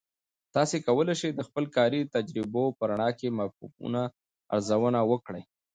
تاسې کولای سئ د خپل کاري تجربو په رڼا کې مفهومونه ارزونه وکړئ.